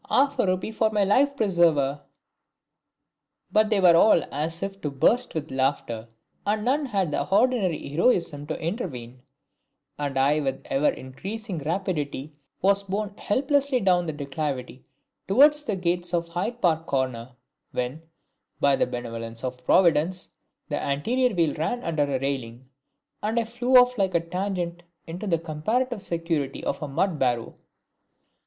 Half a rupee for my life preserver!" But they were all as if to burst with laughter, and none had the ordinary heroism to intervene, and I with ever increasing rapidity was borne helplessly down the declivity towards the gates of Hyde Park Corner, when, by the benevolence of Providence, the anterior wheel ran under a railing, and I flew off like a tangent into the comparative security of a mud barrow!